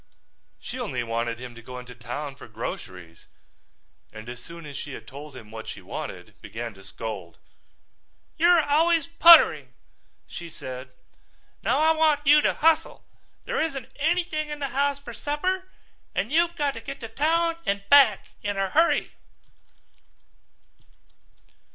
She only wanted him to go into town for groceries and as soon as she had told him what she wanted began to scold. "You're always puttering," she said. "Now I want you to hustle. There isn't anything in the house for supper and you've got to get to town and back in a hurry."